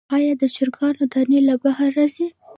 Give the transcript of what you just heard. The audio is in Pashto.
آیا د چرګانو دانی له بهر راځي؟